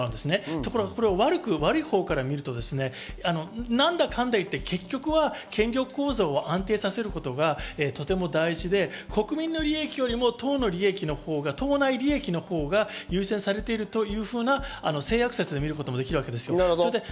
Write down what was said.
ところが悪いほうから見ると何だかんだ言って、結局は権力構造を安定させることがとても大事で、国民の利益よりも党の利益のほうが、党内利益のほうが優先されているという性悪説で見ることもできるんです。